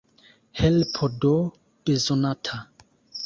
Helpo do bezonata!